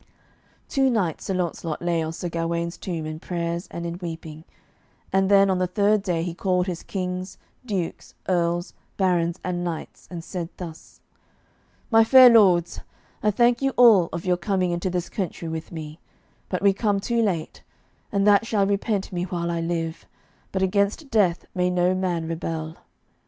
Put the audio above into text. Two nights Sir Launcelot lay on Sir Gawaine's tomb in prayers and in weeping, and then on the third day he called his kings, dukes, earls, barons, and knights, and said thus: "My fair lords, I thank you all of your coming into this country with me; but we come too late, and that shall repent me while I live, but against death may no man rebel.